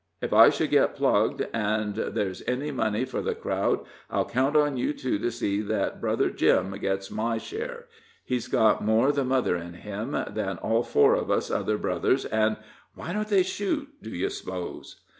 If I should get plugged, an' there's any money for the crowd, I'll count on you two to see that brother Jim gets my share he's got more the mother in him than all four of us other brothers, and why don't they shoot, do you s'pose?"